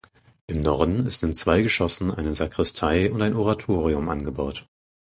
Im Norden ist in zwei Geschossen eine Sakristei und ein Oratorium angebaut.